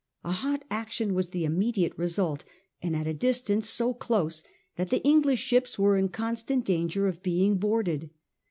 A hot action was the immediate result, and at a distance so close that the English ships were in constant danger of being boarded.